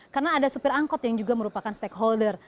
karena ada supir angkot yang juga merupakan stakeholder